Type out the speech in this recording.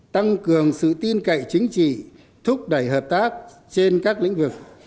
tăng cường sự tin cậy chính trị thúc đẩy hợp tác trên các lĩnh vực